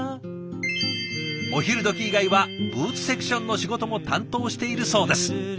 お昼どき以外はブーツセクションの仕事も担当しているそうです。